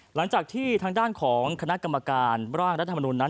หลังจากที่ทางด้านของคณะกรรมการร่างรัฐมนุนนั้น